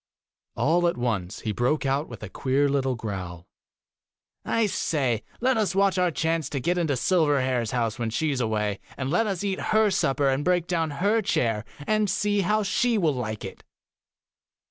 All at once, he broke out with a queer little growl, ' I say, let us watch our chance to get into Silverhair's house when she is away, and let us eat her supper and break down her chair, and see how she will like it.